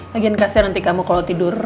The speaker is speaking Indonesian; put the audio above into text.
lagian kasian nanti kamu kalau tidur